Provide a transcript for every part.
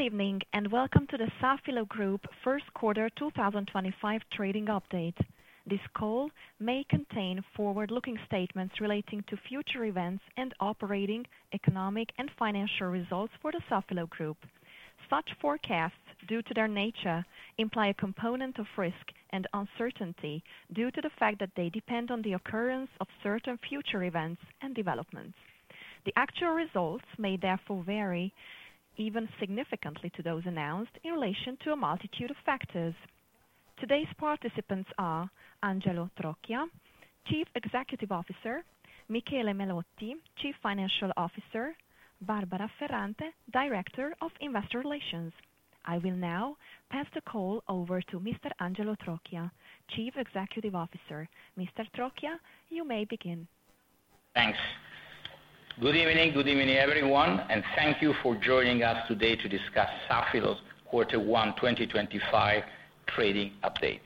Good evening, and welcome to the Safilo Group First Quarter 2025 Trading Update. This call may contain forward-looking statements relating to future events and operating, economic, and financial results for the Safilo Group. Such forecasts, due to their nature, imply a component of risk and uncertainty due to the fact that they depend on the occurrence of certain future events and developments. The actual results may therefore vary even significantly from those announced in relation to a multitude of factors. Today's participants are: Angelo Trocchia, Chief Executive Officer; Michele Melotti, Chief Financial Officer; Barbara Ferrante, Director of Investor Relations. I will now pass the call over to Mr. Angelo Trocchia, Chief Executive Officer. Mr. Trocchia, you may begin. Thanks. Good evening, good evening, everyone, and thank you for joining us today to discuss Safilo Group's Quarter 1 2025 trading updates.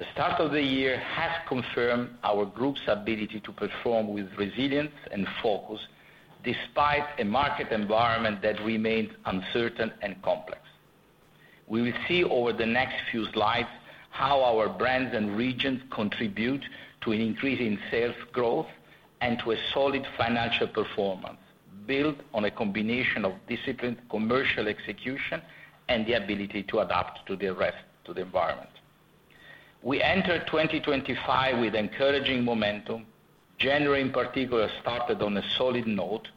The start of the year has confirmed our Group's ability to perform with resilience and focus despite a market environment that remains uncertain and complex. We will see over the next few slides how our brands and regions contribute to an increase in sales growth and to a solid financial performance built on a combination of disciplined commercial execution and the ability to adapt to the environment. We entered 2025 with encouraging momentum. January, in particular, started on a solid note,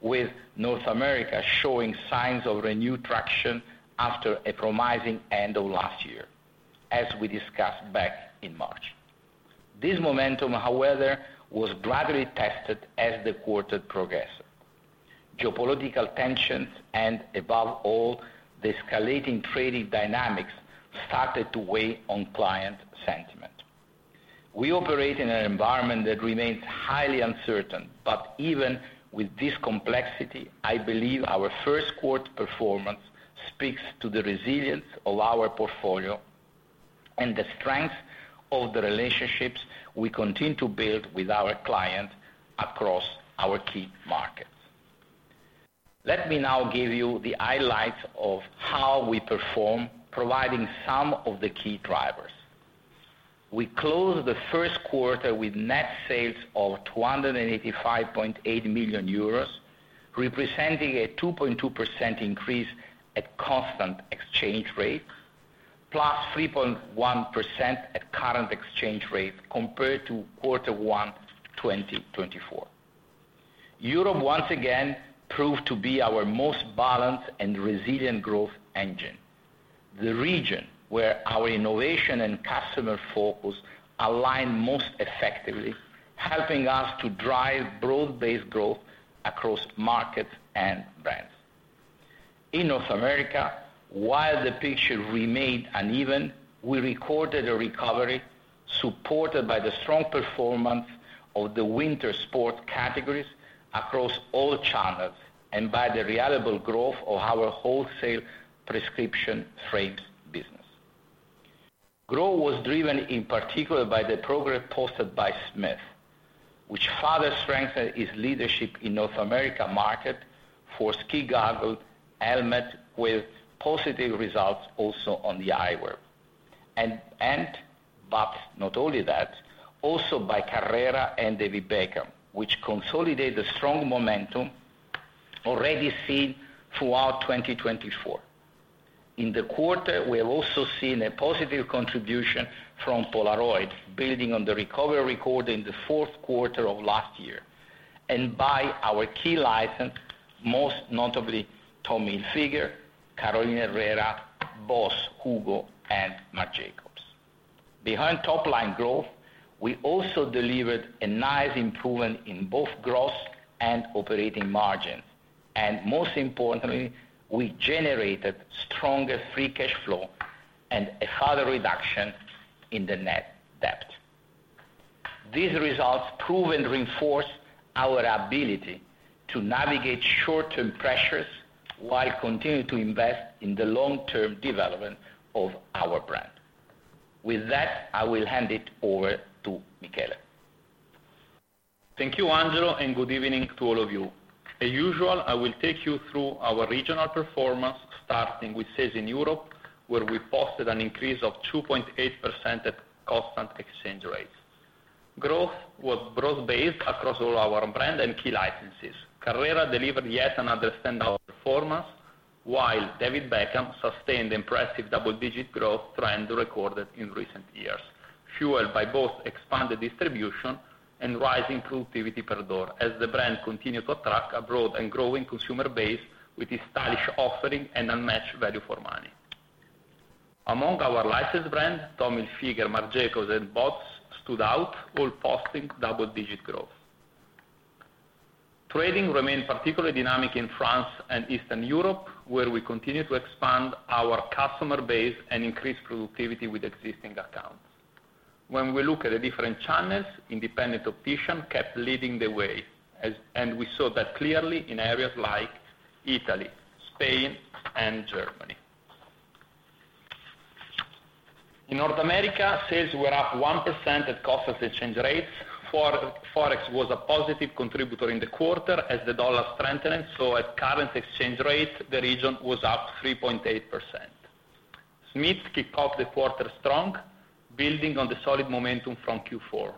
with North America showing signs of renewed traction after a promising end of last year, as we discussed back in March. This momentum, however, was gradually tested as the quarter progressed. Geopolitical tensions and, above all, the escalating trading dynamics started to weigh on client sentiment. We operate in an environment that remains highly uncertain, but even with this complexity, I believe our first quarter performance speaks to the resilience of our portfolio and the strength of the relationships we continue to build with our clients across our key markets. Let me now give you the highlights of how we perform, providing some of the key drivers. We closed the first quarter with net sales of 285.8 million euros, representing a 2.2% increase at constant exchange rates, plus 3.1% at current exchange rates compared to quarter one 2024. Europe once again proved to be our most balanced and resilient growth engine, the region where our innovation and customer focus align most effectively, helping us to drive growth-based growth across markets and brands. In North America, while the picture remained uneven, we recorded a recovery supported by the strong performance of the winter sport categories across all channels and by the reliable growth of our wholesale prescription frames business. Growth was driven in particular by the progress posted by Smith, which further strengthened its leadership in the North America market for ski goggle helmets, with positive results also on the eyewear. Not only that, also by Carrera and David Beckham, which consolidated the strong momentum already seen throughout 2024. In the quarter, we have also seen a positive contribution from Polaroid, building on the recovery record in the fourth quarter of last year, and by our key license, most notably Tommy Hilfiger, Carolina Herrera, BOSS, and Marc Jacobs. Behind top-line growth, we also delivered a nice improvement in both gross and operating margins, and most importantly, we generated stronger free cash flow and a further reduction in the net debt. These results prove and reinforce our ability to navigate short-term pressures while continuing to invest in the long-term development of our brand. With that, I will hand it over to Michele. Thank you, Angelo, and good evening to all of you. As usual, I will take you through our regional performance, starting with sales in Europe, where we posted an increase of 2.8% at constant exchange rates. Growth was broad-based across all our brands and key licenses. Carrera delivered yet another standout performance, while David Beckham sustained impressive double-digit growth trends recorded in recent years, fueled by both expanded distribution and rising productivity per door, as the brand continued to attract a broad and growing consumer base with its stylish offering and unmatched value for money. Among our licensed brands, Tommy Hilfiger, Marc Jacobs, and BOSS stood out, all posting double-digit growth. Trading remained particularly dynamic in France and Eastern Europe, where we continued to expand our customer base and increase productivity with existing accounts. When we look at the different channels, independent opticians kept leading the way, and we saw that clearly in areas like Italy, Spain, and Germany. In North America, sales were up 1% at constant exchange rates. Forex was a positive contributor in the quarter as the dollar strengthened, so at current exchange rates, the region was up 3.8%. Smith kicked off the quarter strong, building on the solid momentum from Q4.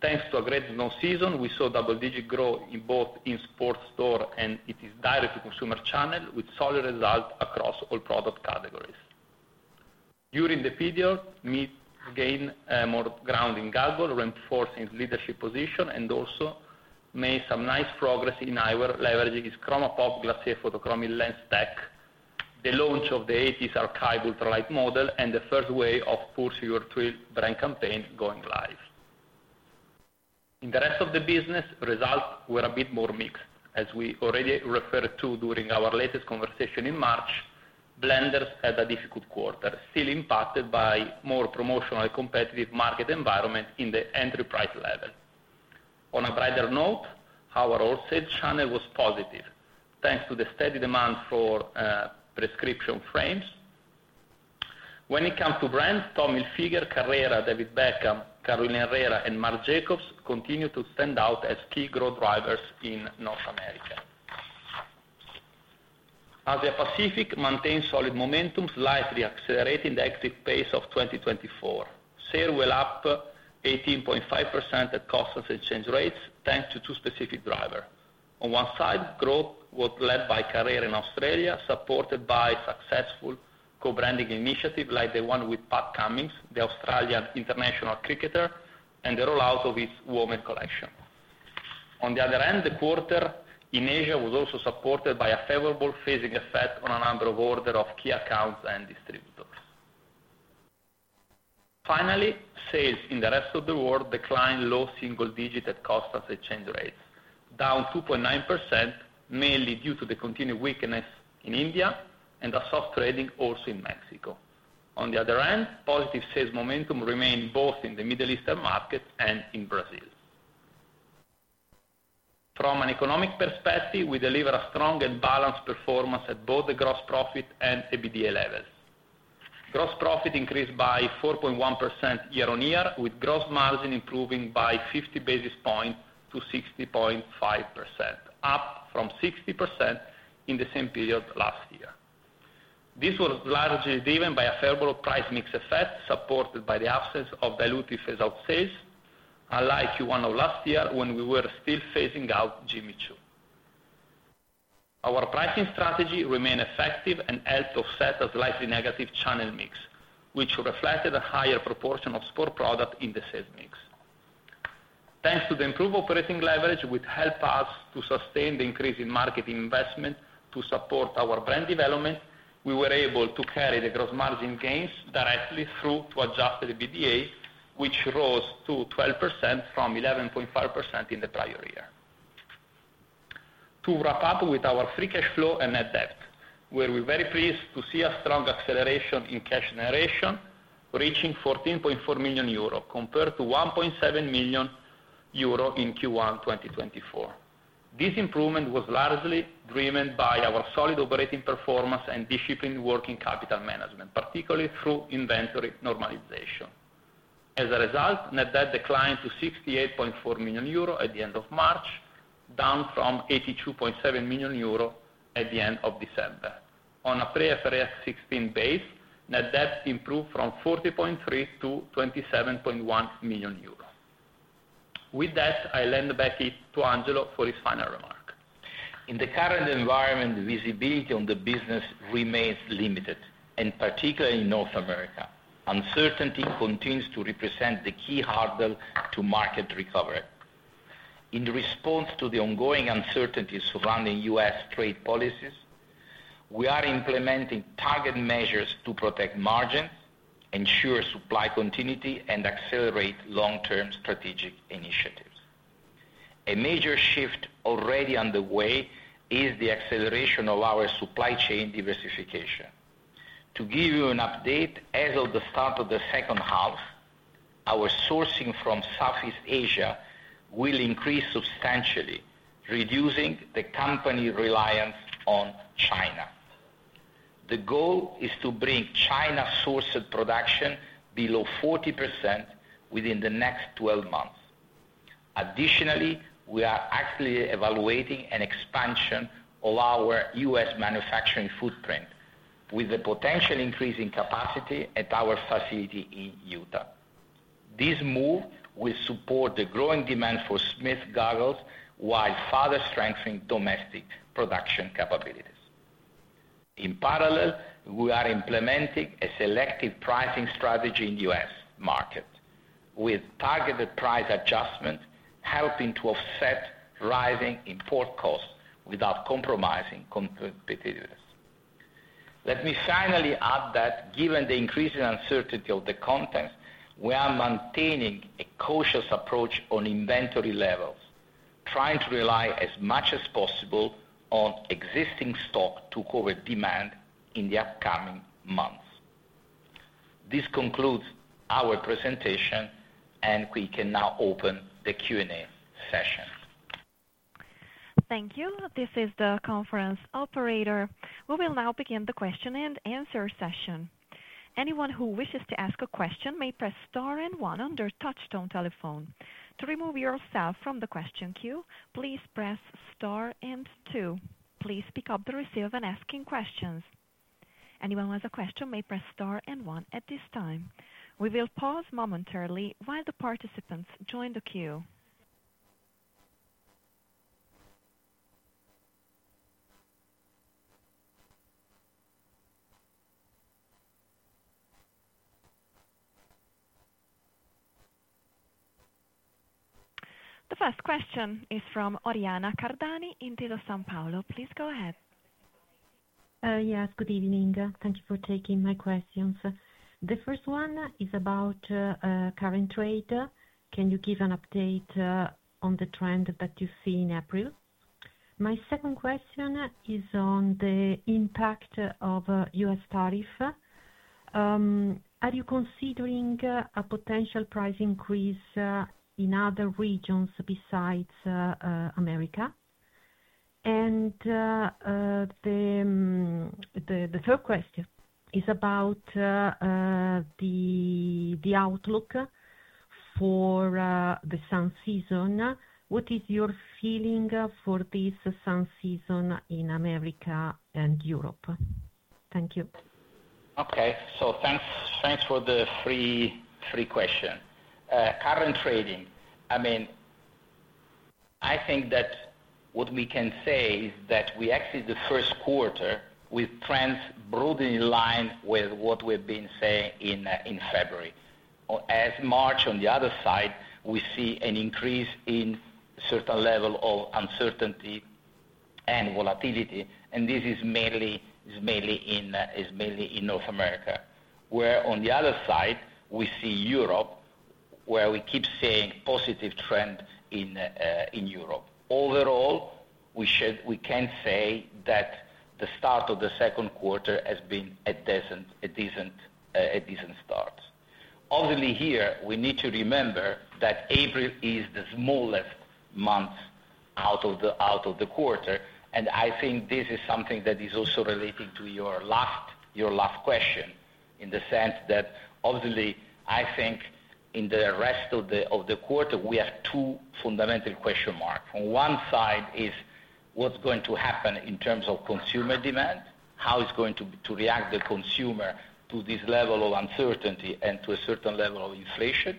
Thanks to a great snow season, we saw double-digit growth in both in-store and its direct-to-consumer channel, with solid results across all product categories. During the period, Smith gained more ground in goggles, reinforcing its leadership position, and also made some nice progress in eyewear, leveraging its ChromaPop Glacier Photochromic Lens Tech, the launch of the '80s Archive Ultralite model, and the first wave of Pursue Your Thrill brand campaign going live. In the rest of the business, results were a bit more mixed. As we already referred to during our latest conversation in March, Blenders had a difficult quarter, still impacted by a more promotionally competitive market environment in the enterprise level. On a brighter note, our wholesale channel was positive, thanks to the steady demand for prescription frames. When it comes to brands, Tommy Hilfiger, Carrera, David Beckham, Carolina Herrera, and Marc Jacobs continue to stand out as key growth drivers in North America. Asia-Pacific maintained solid momentum, slightly accelerating the exit pace of 2024. Sales were up 18.5% at constant exchange rates, thanks to two specific drivers. On one side, growth was led by Carrera in Australia, supported by successful co-branding initiatives like the one with Pat Cummins, the Australian international cricketer, and the rollout of its women's collection. On the other hand, the quarter in Asia was also supported by a favorable phasing effect on a number of orders of key accounts and distributors. Finally, sales in the rest of the world declined low single-digit at constant exchange rates, down 2.9%, mainly due to the continued weakness in India and a soft trading also in Mexico. On the other hand, positive sales momentum remained both in the Middle Eastern markets and in Brazil. From an economic perspective, we deliver a strong and balanced performance at both the gross profit and EBITDA levels. Gross profit increased by 4.1% year-on-year, with gross margin improving by 50 basis points to 60.5%, up from 60% in the same period last year. This was largely driven by a favorable price mix effect supported by the absence of diluted phase-out sales, unlike Q1 of last year when we were still phasing out Jimmy Choo. Our pricing strategy remained effective and helped offset a slightly negative channel mix, which reflected a higher proportion of sport products in the sales mix. Thanks to the improved operating leverage, which helped us to sustain the increase in market investment to support our brand development, we were able to carry the gross margin gains directly through to adjusted EBITDA, which rose to 12% from 11.5% in the prior year. To wrap up with our free cash flow and net debt, we're very pleased to see a strong acceleration in cash generation, reaching 14.4 million euro compared to 1.7 million euro in Q1 2024. This improvement was largely driven by our solid operating performance and disciplined work in capital management, particularly through inventory normalization. As a result, net debt declined to 68.4 million euro at the end of March, down from 82.7 million euro at the end of December. On a pre-FRS 16 base, net debt improved from 40.3 million to 27.1 million euros. With that, I'll hand it back to Angelo for his final remark. In the current environment, visibility on the business remains limited, and particularly in North America. Uncertainty continues to represent the key hurdle to market recovery. In response to the ongoing uncertainty surrounding U.S. trade policies, we are implementing target measures to protect margins, ensure supply continuity, and accelerate long-term strategic initiatives. A major shift already underway is the acceleration of our supply chain diversification. To give you an update, as of the start of the second half, our sourcing from Southeast Asia will increase substantially, reducing the company's reliance on China. The goal is to bring China-sourced production below 40% within the next 12 months. Additionally, we are actively evaluating an expansion of our U.S. manufacturing footprint, with a potential increase in capacity at our facility in Utah. This move will support the growing demand for Smith goggles while further strengthening domestic production capabilities. In parallel, we are implementing a selective pricing strategy in the U.S. market, with targeted price adjustments helping to offset rising import costs without compromising competitiveness. Let me finally add that, given the increasing uncertainty of the contents, we are maintaining a cautious approach on inventory levels, trying to rely as much as possible on existing stock to cover demand in the upcoming months. This concludes our presentation, and we can now open the Q&A session. Thank you. This is the conference operator. We will now begin the question and answer session. Anyone who wishes to ask a question may press star and one on their touchstone telephone. To remove yourself from the question queue, please press star and two. Please pick up the receiver and ask questions. Anyone who has a question may press star and one at this time. We will pause momentarily while the participants join the queue. The first question is from Oriana Cardani in Intesa Sanpaolo. Please go ahead. Yes, good evening. Thank you for taking my questions. The first one is about current trade. Can you give an update on the trend that you see in April? My second question is on the impact of U.S. tariff. Are you considering a potential price increase in other regions besides America? The third question is about the outlook for the sun season. What is your feeling for this sun season in America and Europe? Thank you. Okay. Thanks for the three questions. Current trading, I mean, I think that what we can say is that we exited the first quarter with trends broadly in line with what we've been saying in February. As March, on the other side, we see an increase in a certain level of uncertainty and volatility, and this is mainly in North America, where, on the other side, we see Europe, where we keep seeing a positive trend in Europe. Overall, we can say that the start of the second quarter has been a decent start. Obviously, here, we need to remember that April is the smallest month out of the quarter, and I think this is something that is also relating to your last question in the sense that, obviously, I think in the rest of the quarter, we have two fundamental question marks. On one side is what's going to happen in terms of consumer demand, how it's going to react, the consumer, to this level of uncertainty and to a certain level of inflation.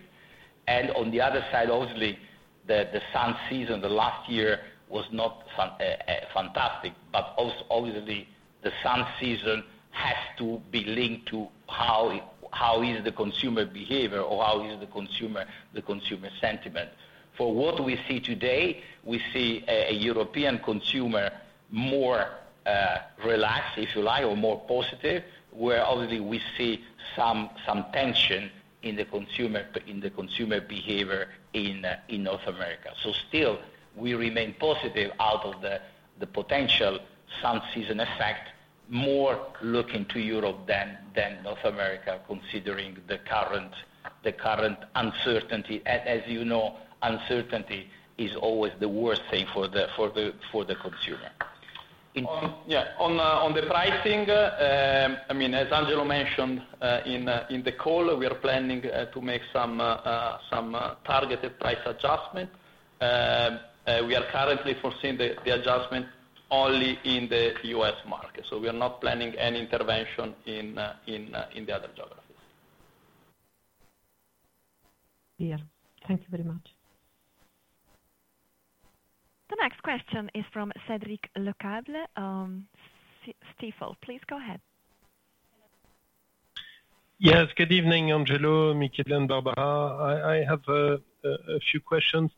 On the other side, obviously, the sun season last year was not fantastic, but obviously, the sun season has to be linked to how is the consumer behavior or how is the consumer sentiment. For what we see today, we see a European consumer more relaxed, if you like, or more positive, where obviously we see some tension in the consumer behavior in North America. Still, we remain positive out of the potential sun season effect, more looking to Europe than North America considering the current uncertainty. As you know, uncertainty is always the worst thing for the consumer. Yeah. On the pricing, I mean, as Angelo mentioned in the call, we are planning to make some targeted price adjustment. We are currently foreseeing the adjustment only in the U.S. market, so we are not planning any intervention in the other geographies. Yeah. Thank you very much. The next question is from Cedric Lecasble. Please go ahead. Yes. Good evening, Angelo, Michele, and Barbara. I have a few questions.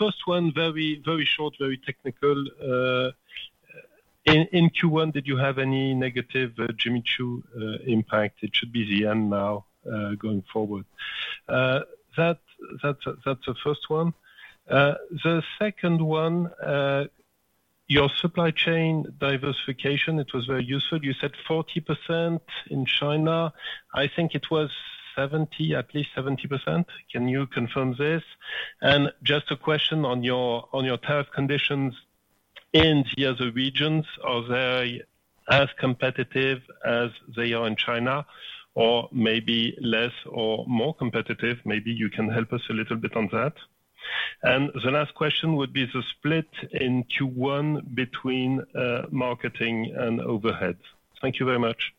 First one, very short, very technical. In Q1, did you have any negative Jimmy Choo impact? It should be the end now going forward. That's the first one. The second one, your supply chain diversification, it was very useful. You said 40% in China. I think it was 70%, at least 70%. Can you confirm this? Just a question on your tariff conditions in the other regions, are they as competitive as they are in China or maybe less or more competitive? Maybe you can help us a little bit on that. The last question would be the split in Q1 between marketing and overhead. Thank you very much.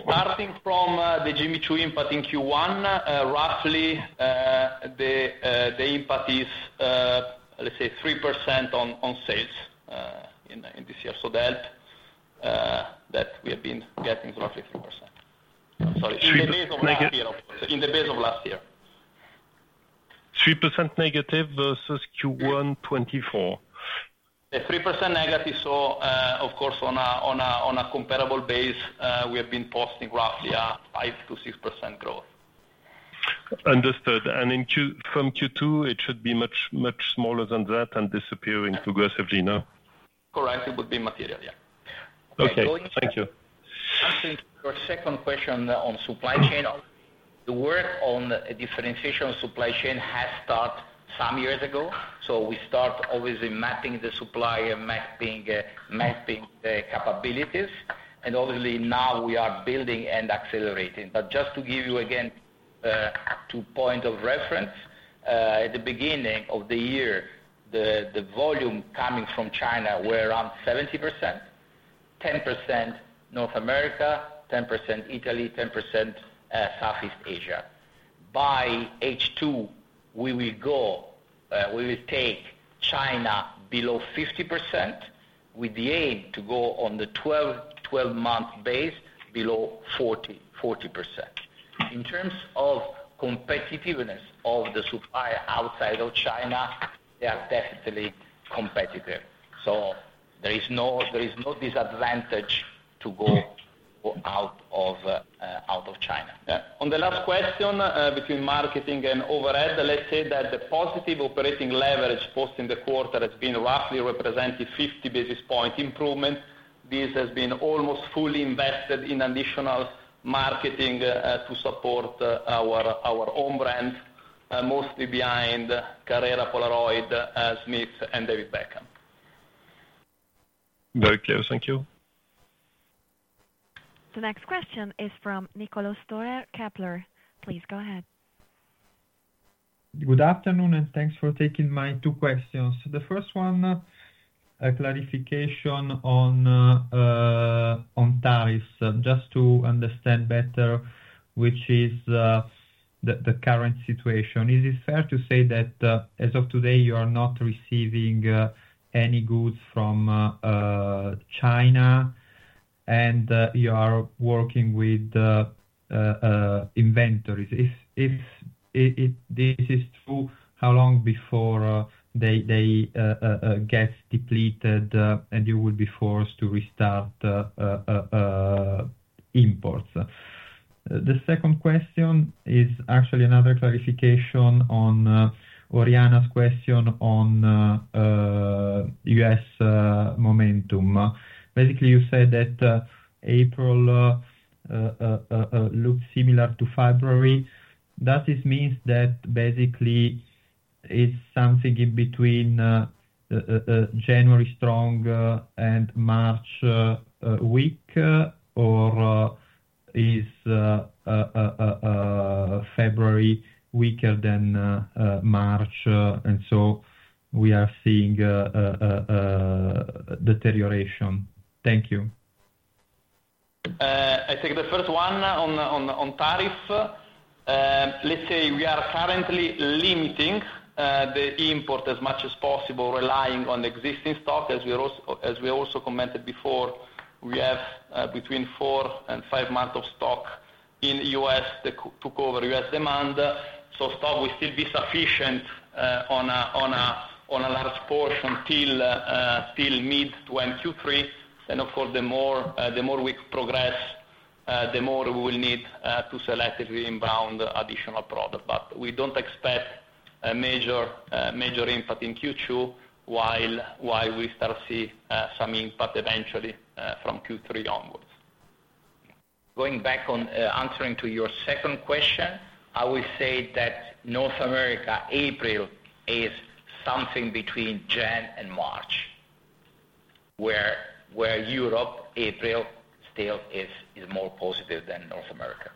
Starting from the Jimmy Choo impact in Q1, roughly the impact is, let's say, 3% on sales in this year. The help that we have been getting is roughly 3%. Sorry. In the base of last year, in the base of last year. 3% negative versus Q1 2024. 3% negative. Of course, on a comparable base, we have been posting roughly a 5-6% growth. Understood. From Q2, it should be much smaller than that and disappearing progressively now. Correct. It would be material. Yeah. Okay. Thank you. Thank you. Your second question on supply chain. The work on differentiation of supply chain has started some years ago. We start always mapping the supply and mapping the capabilities. Obviously, now we are building and accelerating. Just to give you again a point of reference, at the beginning of the year, the volume coming from China was around 70%, 10% North America, 10% Italy, 10% Southeast Asia. By H2, we will take China below 50% with the aim to go on the 12-month base below 40%. In terms of competitiveness of the supply outside of China, they are definitely competitive. There is no disadvantage to go out of China. On the last question between marketing and overhead, let's say that the positive operating leverage posting the quarter has been roughly represented 50 basis point improvement. This has been almost fully invested in additional marketing to support our own brand, mostly behind Carrera, Polaroid, Smith, and David Beckham. Very clear. Thank you. The next question is from Niccolo' Storer at Kepler. Please go ahead. Good afternoon, and thanks for taking my two questions. The first one, a clarification on tariffs, just to understand better, which is the current situation. Is it fair to say that as of today, you are not receiving any goods from China and you are working with inventories? If this is true, how long before they get depleted and you will be forced to restart imports? The second question is actually another clarification on Oriana's question on U.S. momentum. Basically, you said that April looks similar to February. Does this mean that basically it's something in between January strong and March weak, or is February weaker than March and so we are seeing deterioration? Thank you. I take the first one on tariff. Let's say we are currently limiting the import as much as possible, relying on existing stock. As we also commented before, we have between four and five months of stock in the U.S. to cover U.S. demand. Stock will still be sufficient on a large portion till mid-Q3. Of course, the more we progress, the more we will need to selectively inbound additional product. We do not expect a major impact in Q2 while we start to see some impact eventually from Q3 onwards. Going back on answering to your second question, I will say that North America, April is something between January and March, where Europe April still is more positive than North America.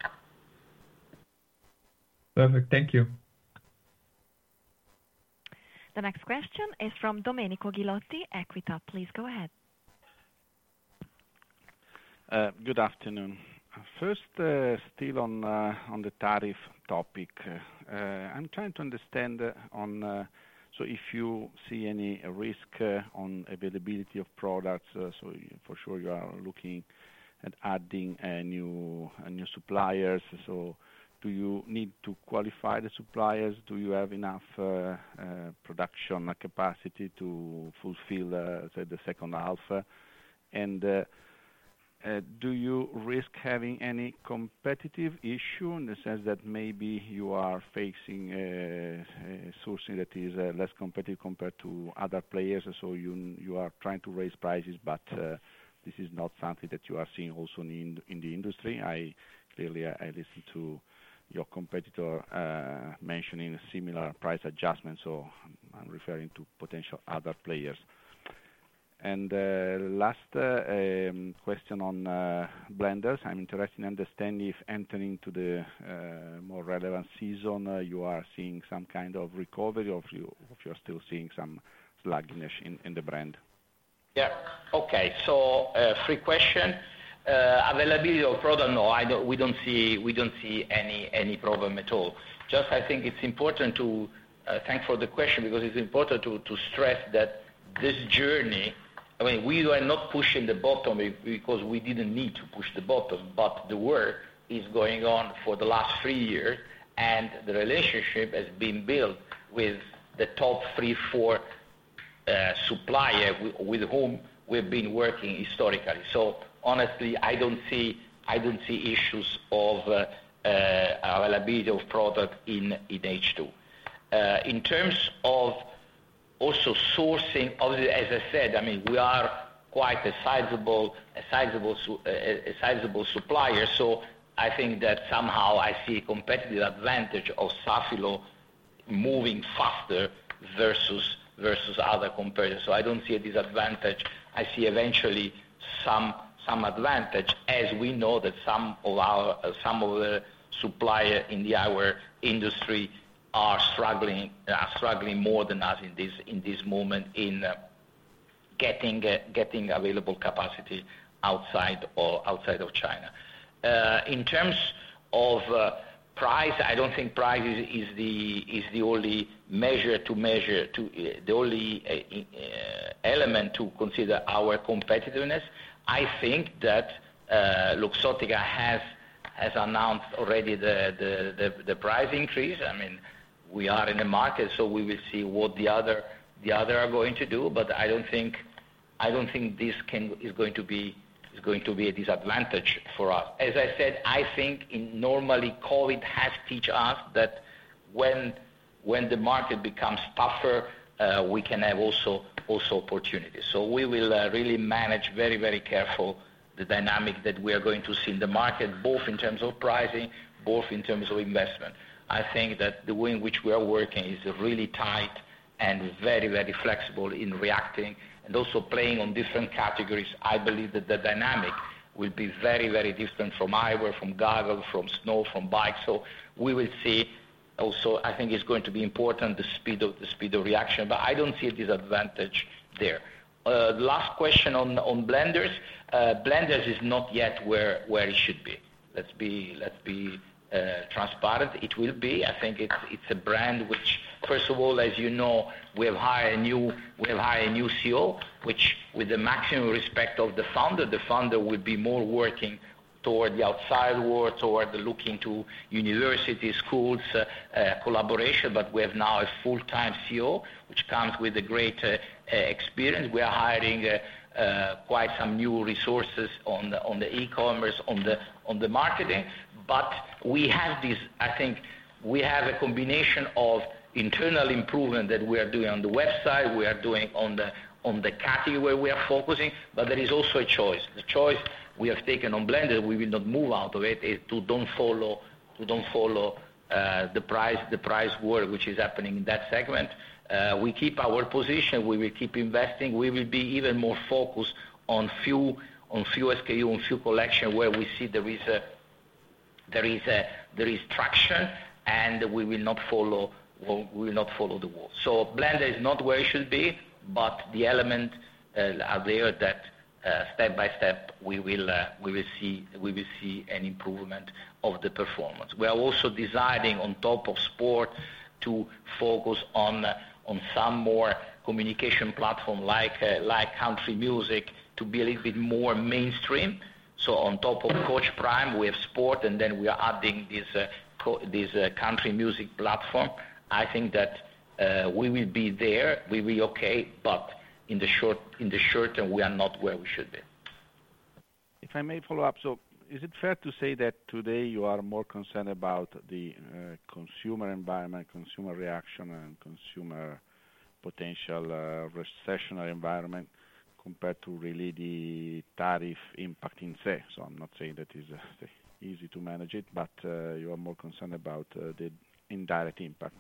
Perfect. Thank you. The next question is from Domenico Ghilotti, Equita. Please go ahead. Good afternoon. First, still on the tariff topic, I'm trying to understand if you see any risk on availability of products. For sure you are looking at adding new suppliers. Do you need to qualify the suppliers? Do you have enough production capacity to fulfill the second half? Do you risk having any competitive issue in the sense that maybe you are facing sourcing that is less competitive compared to other players? You are trying to raise prices, but this is not something that you are seeing also in the industry. Clearly, I listened to your competitor mentioning similar price adjustments, so I'm referring to potential other players. Last question on Blenders. I'm interested in understanding if entering into the more relevant season, you are seeing some kind of recovery or if you're still seeing some lagging in the brand. Yeah. Okay. So three questions. Availability of product, no. We do not see any problem at all. Just I think it is important to thank for the question because it is important to stress that this journey, I mean, we are not pushing the button because we did not need to push the button, but the work is going on for the last three years, and the relationship has been built with the top three, four suppliers with whom we have been working historically. So honestly, I do not see issues of availability of product in H2. In terms of also sourcing, obviously, as I said, I mean, we are quite a sizable supplier, so I think that somehow I see a competitive advantage of Safilo Group moving faster versus other competitors. I do not see a disadvantage. I see eventually some advantage as we know that some of the suppliers in our industry are struggling more than us in this moment in getting available capacity outside of China. In terms of price, I do not think price is the only measure to measure the only element to consider our competitiveness. I think that Luxottica has announced already the price increase. I mean, we are in the market, so we will see what the other are going to do, but I do not think this is going to be a disadvantage for us. As I said, I think normally COVID has taught us that when the market becomes tougher, we can have also opportunities. We will really manage very, very carefully the dynamic that we are going to see in the market, both in terms of pricing, both in terms of investment. I think that the way in which we are working is really tight and very, very flexible in reacting and also playing on different categories. I believe that the dynamic will be very, very different from eyewear, from goggle, from snow, from bike. We will see also, I think it's going to be important, the speed of reaction, but I don't see a disadvantage there. Last question on Blenders. Blenders is not yet where it should be. Let's be transparent. It will be. I think it's a brand which, first of all, as you know, we have hired a new CEO, which with the maximum respect of the founder, the founder will be more working toward the outside world, toward looking to universities, schools, collaboration, but we have now a full-time CEO which comes with a greater experience. We are hiring quite some new resources on the e-commerce, on the marketing, but we have this. I think we have a combination of internal improvement that we are doing on the website, we are doing on the category we are focusing, but there is also a choice. The choice we have taken on Blenders, we will not move out of it, is to do not follow the price war which is happening in that segment. We keep our position. We will keep investing. We will be even more focused on few SKU and few collection where we see there is traction and we will not follow the war. So Blenders is not where it should be, but the elements are there that step by step we will see an improvement of the performance. We are also designing on top of sport to focus on some more communication platform like country music to be a little bit more mainstream. On top of Coach Prime, we have sport, and then we are adding this country music platform. I think that we will be there. We will be okay, but in the short term, we are not where we should be. If I may follow up, is it fair to say that today you are more concerned about the consumer environment, consumer reaction, and consumer potential recessionary environment compared to really the tariff impact in itself? I am not saying that it is easy to manage it, but you are more concerned about the indirect impact.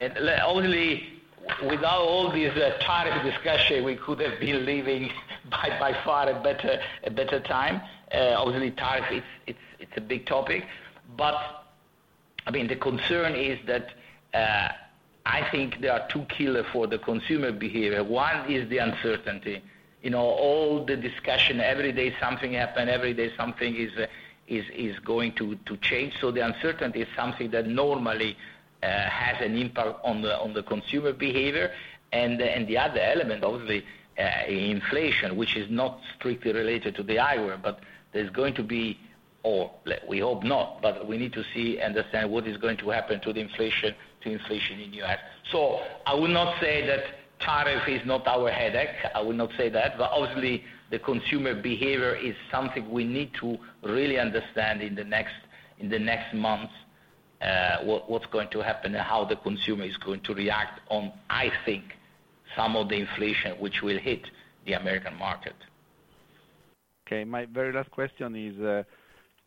Obviously, without all these tariff discussions, we could have been leaving by far a better time. Obviously, tariff, it's a big topic. I mean, the concern is that I think there are two killers for the consumer behavior. One is the uncertainty. All the discussion, every day something happens, every day something is going to change. The uncertainty is something that normally has an impact on the consumer behavior. The other element, obviously, inflation, which is not strictly related to the eyewear, but there is going to be, or we hope not, but we need to see and understand what is going to happen to the inflation in the U.S. I will not say that tariff is not our headache. I will not say that. Obviously, the consumer behavior is something we need to really understand in the next months, what's going to happen and how the consumer is going to react on, I think, some of the inflation which will hit the American market. Okay. My very last question is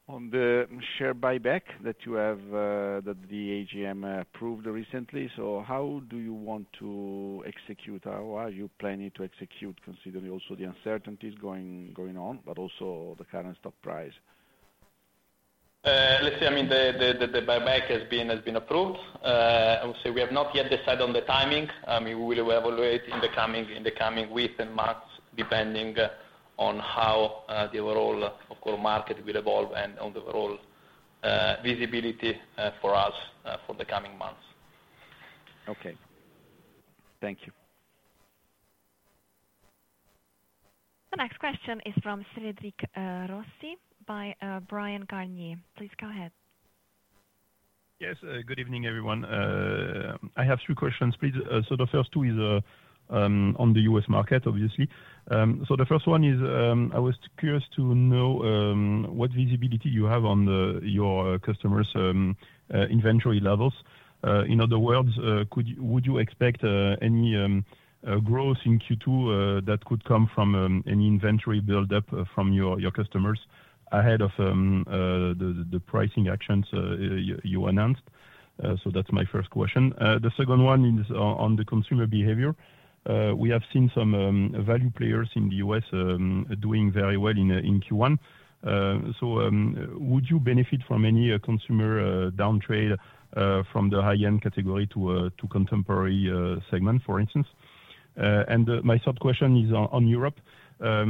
on the share buyback that you have that the AGM approved recently. How do you want to execute? How are you planning to execute considering also the uncertainties going on, but also the current stock price? Let's say, I mean, the buyback has been approved. I would say we have not yet decided on the timing. I mean, we will evaluate in the coming weeks and months depending on how the overall, of course, market will evolve and on the overall visibility for us for the coming months. Okay. Thank you. The next question is from Cédric Rossi by Bryan Garnier. Please go ahead. Yes. Good evening, everyone. I have three questions, please. The first two is on the U.S. market, obviously. The first one is I was curious to know what visibility you have on your customers' inventory levels. In other words, would you expect any growth in Q2 that could come from any inventory build-up from your customers ahead of the pricing actions you announced? That's my first question. The second one is on the consumer behavior. We have seen some value players in the U.S. doing very well in Q1. Would you benefit from any consumer downtrade from the high-end category to contemporary segment, for instance? My third question is on Europe. How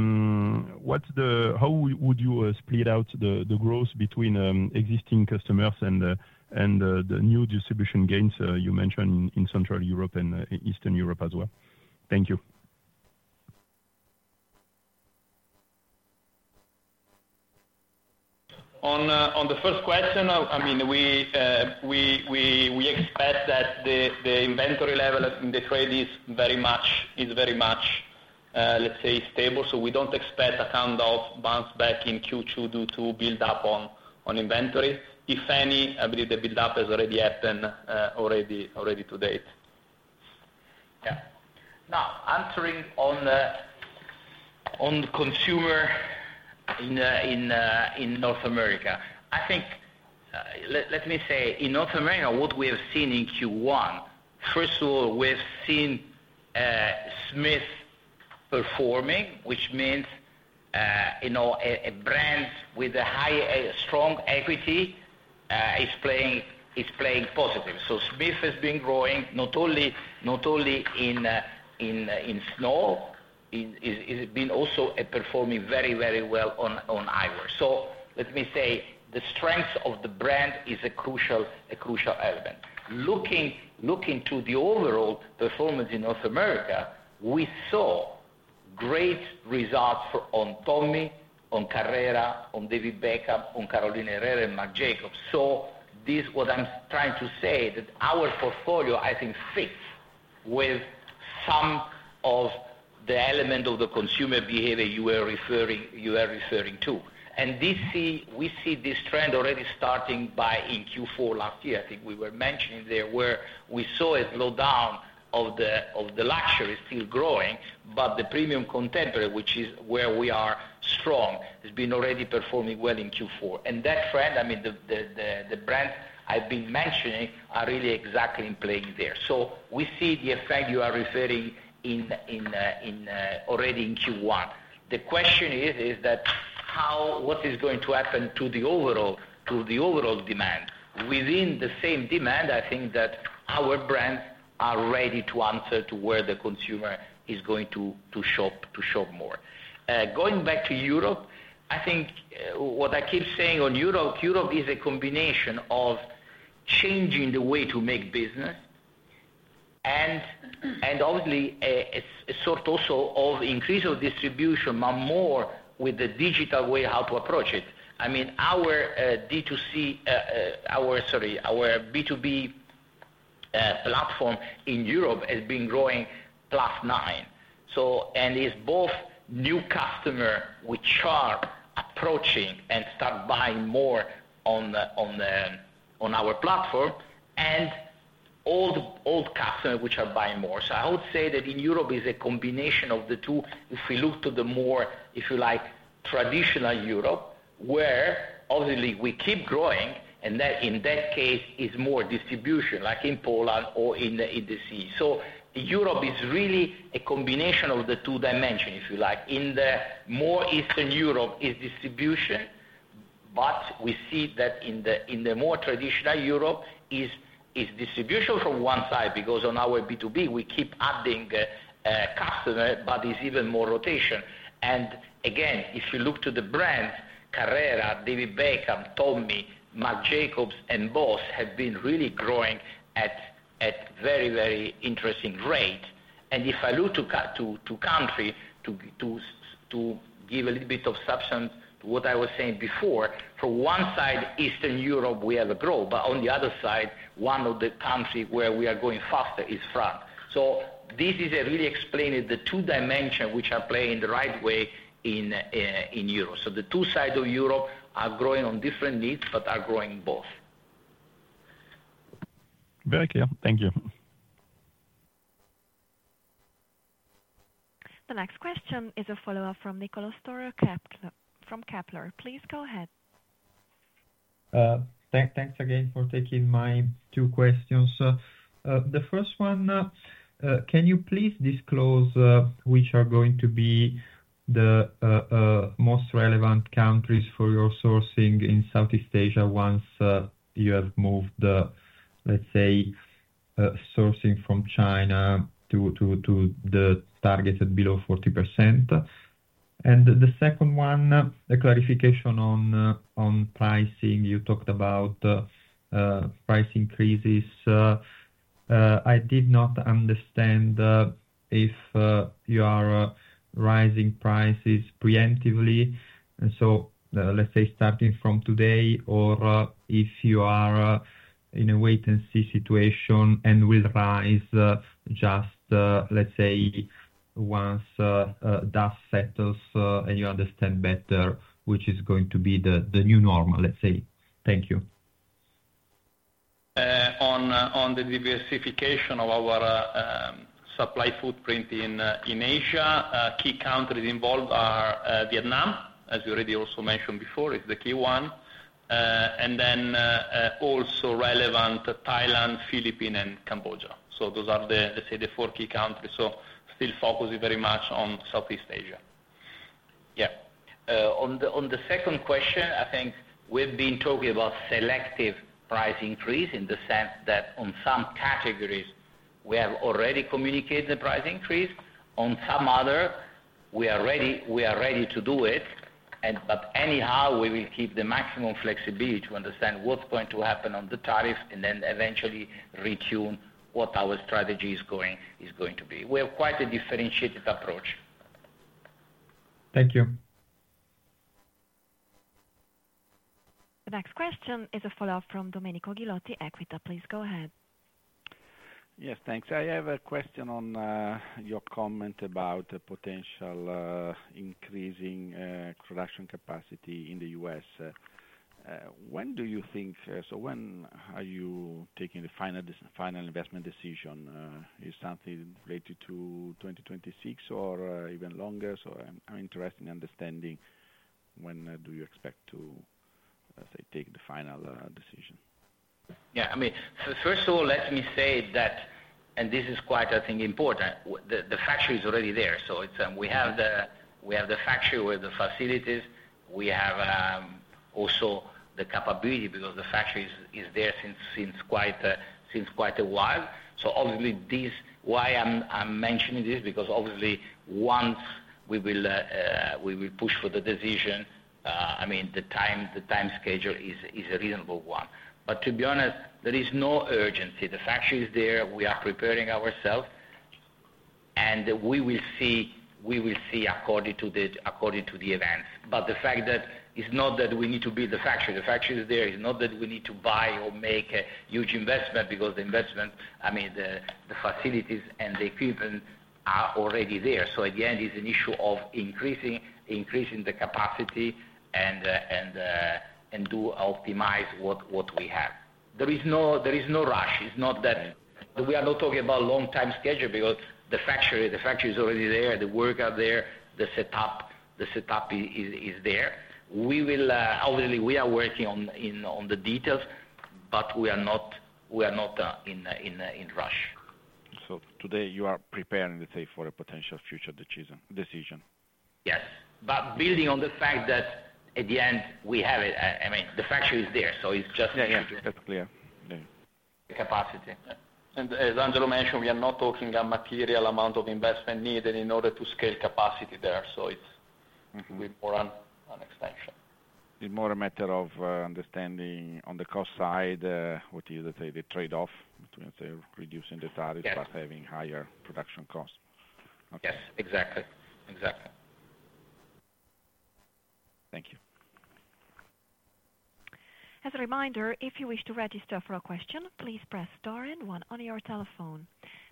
would you split out the growth between existing customers and the new distribution gains you mentioned in Central Europe and Eastern Europe as well? Thank you. On the first question, I mean, we expect that the inventory level in the trade is very much, let's say, stable. We don't expect a kind of bounce back in Q2 due to build-up on inventory. If any, I believe the build-up has already happened to date. Yeah. Now, answering on consumer in North America, I think, let me say, in North America, what we have seen in Q1, first of all, we've seen Smith performing, which means a brand with a strong equity is playing positive. Smith has been growing not only in Snow. It's been also performing very, very well on eyewear. Let me say the strength of the brand is a crucial element. Looking to the overall performance in North America, we saw great results on Tommy Hilfiger, on Carrera, on David Beckham, on Carolina Herrera, and Marc Jacobs. What I'm trying to say is that our portfolio, I think, fits with some of the element of the consumer behavior you are referring to. We see this trend already starting by in Q4 last year. I think we were mentioning there where we saw a slowdown of the luxury still growing, but the premium contemporary, which is where we are strong, has been already performing well in Q4. That trend, I mean, the brands I've been mentioning are really exactly in playing there. We see the effect you are referring already in Q1. The question is that what is going to happen to the overall demand? Within the same demand, I think that our brands are ready to answer to where the consumer is going to shop more. Going back to Europe, I think what I keep saying on Europe, Europe is a combination of changing the way to make business and obviously a sort also of increase of distribution, but more with the digital way how to approach it. I mean, our B2B platform in Europe has been growing +9%. And it's both new customers which are approaching and start buying more on our platform and old customers which are buying more. I would say that in Europe is a combination of the two. If we look to the more, if you like, traditional Europe where obviously we keep growing, and in that case, it's more distribution like in Poland or in the CEE. Europe is really a combination of the two dimensions, if you like. In the more Eastern Europe is distribution, but we see that in the more traditional Europe is distribution from one side because on our B2B, we keep adding customers, but it's even more rotation. Again, if you look to the brands, Carrera, David Beckham, Tommy Hilfiger, Marc Jacobs, and BOSS have been really growing at very, very interesting rates. If I look to country, to give a little bit of substance to what I was saying before, from one side, Eastern Europe, we have a growth, but on the other side, one of the countries where we are going faster is France. This is really explaining the two dimensions which are playing the right way in Europe. The two sides of Europe are growing on different needs, but are growing both. Very clear. Thank you. The next question is a follow-up from Niccolo' Storer from Kepler. Please go ahead. Thanks again for taking my two questions. The first one, can you please disclose which are going to be the most relevant countries for your sourcing in Southeast Asia once you have moved, let's say, sourcing from China to the target below 40%? The second one, a clarification on pricing. You talked about price increases. I did not understand if you are rising prices preemptively, and so let's say starting from today, or if you are in a wait-and-see situation and will rise just, let's say, once that settles and you understand better which is going to be the new normal, let's say. Thank you. On the diversification of our supply footprint in Asia, key countries involved are Vietnam, as you already also mentioned before, is the key one. And then also relevant Thailand, Philippines, and Cambodia. Those are, let's say, the four key countries. Still focusing very much on Southeast Asia. Yeah. On the second question, I think we've been talking about selective price increase in the sense that on some categories, we have already communicated the price increase. On some other, we are ready to do it, but anyhow, we will keep the maximum flexibility to understand what's going to happen on the tariff and then eventually retune what our strategy is going to be. We have quite a differentiated approach. Thank you. The next question is a follow-up from Domenico Ghilotti, Equita. Please go ahead. Yes, thanks. I have a question on your comment about potential increasing production capacity in the U.S. When do you think, so when are you taking the final investment decision? Is something related to 2026 or even longer? I am interested in understanding when do you expect to, say, take the final decision? Yeah. I mean, first of all, let me say that, and this is quite, I think, important, the factory is already there. We have the factory with the facilities. We have also the capability because the factory is there since quite a while. Obviously, why I'm mentioning this? Because obviously, once we will push for the decision, I mean, the time schedule is a reasonable one. To be honest, there is no urgency. The factory is there. We are preparing ourselves. We will see according to the events. The fact is that it's not that we need to build the factory. The factory is there. It's not that we need to buy or make a huge investment because the investment, I mean, the facilities and the equipment are already there. At the end, it's an issue of increasing the capacity and optimize what we have. There is no rush. It's not that we are not talking about long-time schedule because the factory is already there. The workers are there. The setup is there. Obviously, we are working on the details, but we are not in rush. Today, you are preparing, let's say, for a potential future decision. Yes. Building on the fact that at the end, we have it. I mean, the factory is there. So it's just. Yeah. Yeah. That's clear. Yeah. Capacity. As Angelo mentioned, we are not talking a material amount of investment needed in order to scale capacity there. It is more an extension. It's more a matter of understanding on the cost side, what is the trade-off between, let's say, reducing the tariffs but having higher production costs. Yes. Exactly. Exactly. Thank you. As a reminder, if you wish to register for a question, please press star and one on your telephone.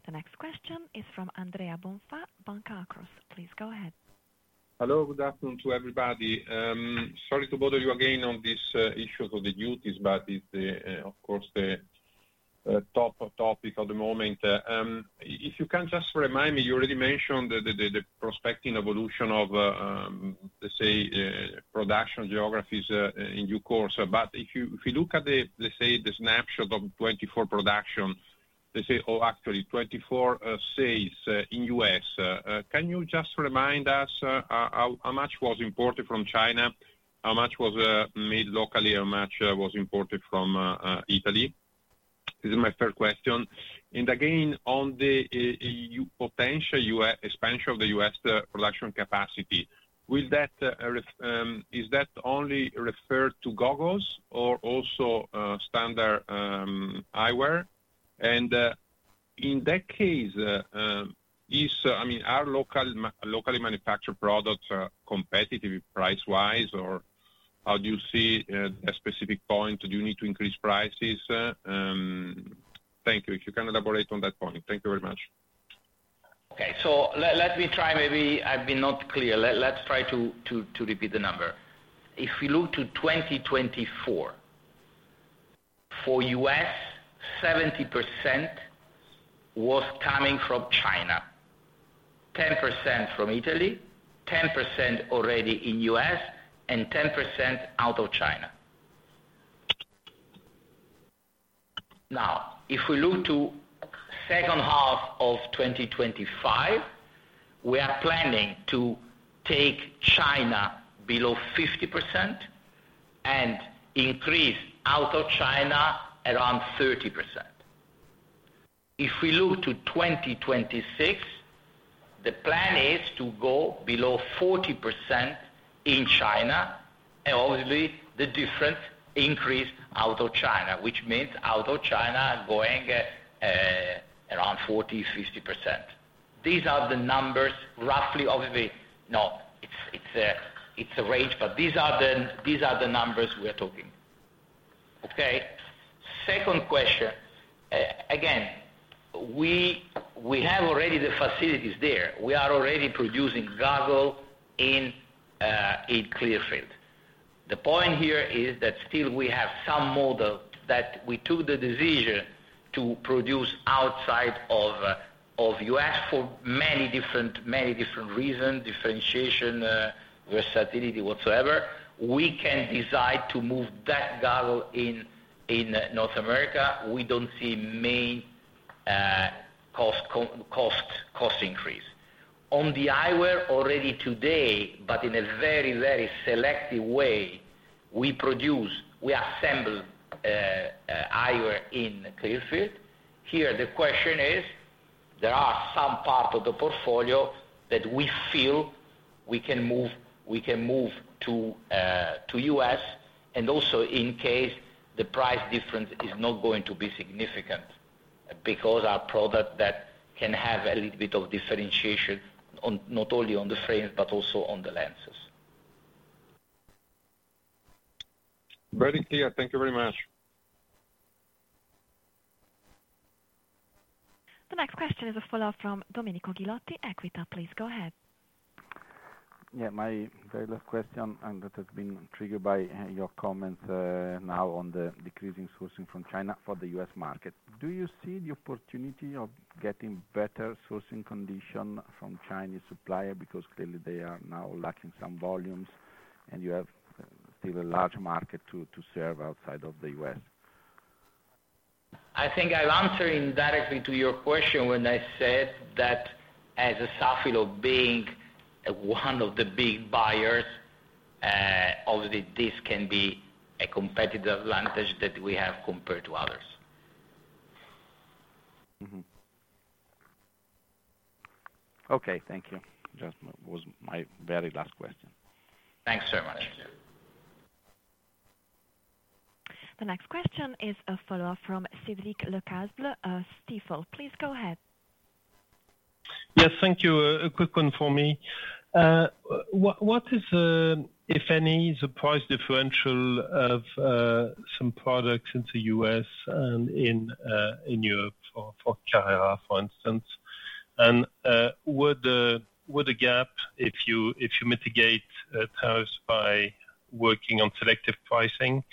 The next question is from Andrea Bonfà, Banca Akros. Please go ahead. Hello. Good afternoon to everybody. Sorry to bother you again on this issue of the duties, but it's, of course, the top topic at the moment. If you can just remind me, you already mentioned the prospecting evolution of, let's say, production geographies in due course. If you look at, let's say, the snapshot of 2024 production, let's say, or actually 2024 sales in the U.S., can you just remind us how much was imported from China, how much was made locally, how much was imported from Italy? This is my third question. Again, on the potential expansion of the U.S. production capacity, is that only referred to goggles or also standard eyewear? In that case, I mean, are locally manufactured products competitive price-wise, or how do you see a specific point? Do you need to increase prices? Thank you. If you can elaborate on that point. Thank you very much. Okay. Let me try, maybe I have not been clear. Let me try to repeat the number. If we look to 2024, for the U.S., 70% was coming from China, 10% from Italy, 10% already in the U.S., and 10% out of China. Now, if we look to the second half of 2025, we are planning to take China below 50% and increase out of China around 30%. If we look to 2026, the plan is to go below 40% in China, and obviously, the difference increases out of China, which means out of China going around 40-50%. These are the numbers, roughly. Obviously, it is a range, but these are the numbers we are talking about. Okay. Second question. Again, we already have the facilities there. We are already producing goggles in Clearfield. The point here is that still we have some model that we took the decision to produce outside of the U.S. for many different reasons, differentiation, versatility, whatsoever. We can decide to move that goggle in North America. We do not see main cost increase. On the eyewear, already today, but in a very, very selective way, we assemble eyewear in Clearfield. Here, the question is, there are some parts of the portfolio that we feel we can move to the U.S. Also, in case the price difference is not going to be significant because our product can have a little bit of differentiation not only on the frames but also on the lenses. Very clear. Thank you very much. The next question is a follow-up from Domenico Ghilotti, Equita. Please go ahead. Yeah. My very last question, and that has been triggered by your comments now on the decreasing sourcing from China for the U.S. market. Do you see the opportunity of getting better sourcing conditions from Chinese suppliers because clearly they are now lacking some volumes, and you have still a large market to serve outside of the U.S.? I think I'm answering directly to your question when I said that as Safilo Group being one of the big buyers, obviously, this can be a competitive advantage that we have compared to others. Okay. Thank you. That was my very last question. Thanks very much. The next question is a follow-up from Cédric Lecasble, Stifel. Please go ahead. Yes. Thank you. A quick one for me. What is, if any, the price differential of some products in the U.S. and in Europe for Carrera, for instance? If you mitigate tariffs by working on selective pricing,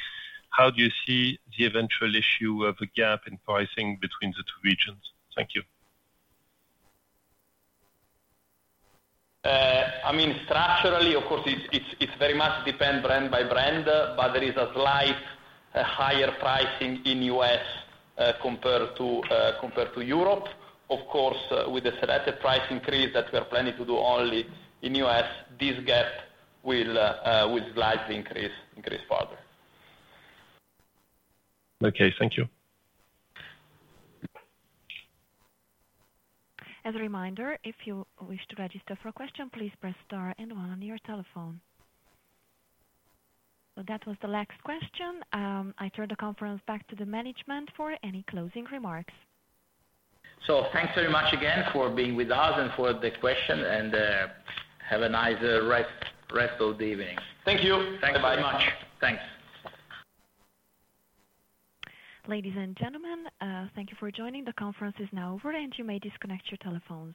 how do you see the eventual issue of a gap in pricing between the two regions? Thank you. I mean, structurally, of course, it very much depends brand by brand, but there is a slight higher pricing in the U.S. compared to Europe. Of course, with the selective price increase that we are planning to do only in the U.S., this gap will slightly increase further. Okay. Thank you. As a reminder, if you wish to register for a question, please press star and one on your telephone. That was the last question. I turn the conference back to the management for any closing remarks. Thanks very much again for being with us and for the question, and have a nice rest of the evening. Thank you. Thank you very much. Thanks. Ladies and gentlemen, thank you for joining. The conference is now over, and you may disconnect your telephones.